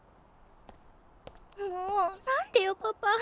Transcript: もう何でよパパ。